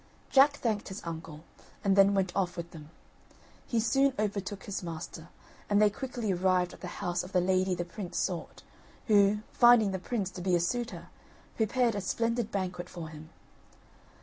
Jack thanked his uncle, and then went off with them. He soon overtook his master and they quickly arrived at the house of the lady the prince sought, who, finding the prince to be a suitor, prepared a splendid banquet for him.